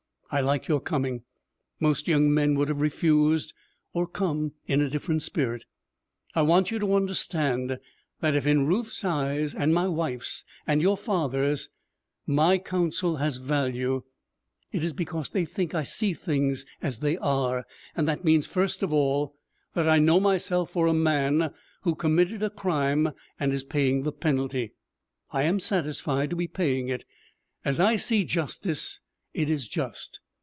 I like your coming. Most young men would have refused, or come in a different spirit. I want you to understand that if in Ruth's eyes, and my wife's, and your father's, my counsel has value, it is because they think I see things as they are. And that means, first of all, that I know myself for a man who committed a crime, and is paying the penalty. I am satisfied to be paying it. As I see justice, it is just.